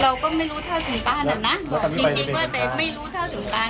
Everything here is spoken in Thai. เราก็ไม่รู้เท่าถึงบ้านอ่ะนะบอกจริงว่าแต่ไม่รู้เท่าถึงการ